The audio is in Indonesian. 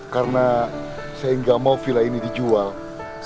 karena saya gak mau bila ini dicari